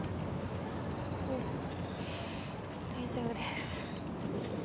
うん大丈夫です。